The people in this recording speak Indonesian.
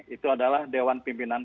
itu adalah dewan pimpinan